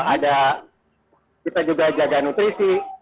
ada kita juga jaga nutrisi